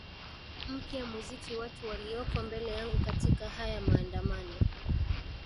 mpya muziki watu walioko mbele yangu katika haya maandamano